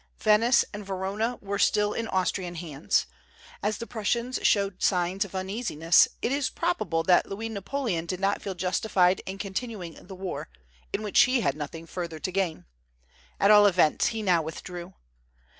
Venice and Verona were still in Austrian hands. As the Prussians showed signs of uneasiness, it is probable that Louis Napoleon did not feel justified in continuing the war, in which he had nothing further to gain; at all events, he now withdrew.